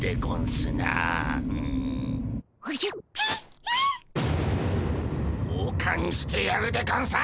交換してやるでゴンス！